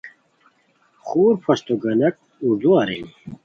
خور پھوستو گانیکو ارادو ارینی